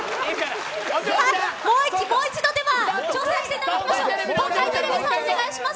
もう一度挑戦していただきましょう。